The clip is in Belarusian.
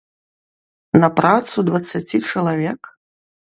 На працу дваццаці чалавек?